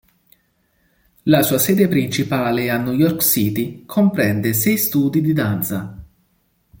La sua sede principale a New York City comprende sei studi di danza.